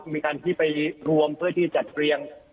มีการที่ไปรวมเพื่อที่จัดเรียง